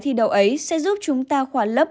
thì đầu ấy sẽ giúp chúng ta khoa lấp